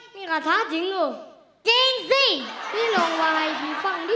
มีกะทาจริงหรือจริงสิ